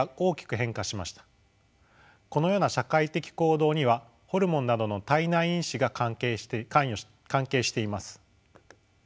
このような社会的行動にはホルモンなどの体内因子が関係しています。